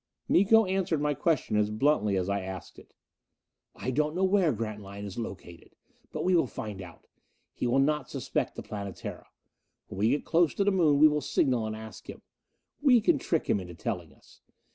Miko answered my question as bluntly as I asked it. "I don't know where Grantline is located. But we will find out. He will not suspect the Planetara. When we get close to the Moon, we will signal and ask him. We can trick him into telling us.